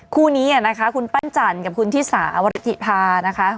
คู่นี้นะคะคุณปั้นจันกับคุณธิสาวรธิภานะคะ